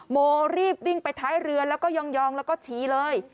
โมรีบวิ่งไปท้ายเรือแล้วก็ยองแล้วก็ชี้เลย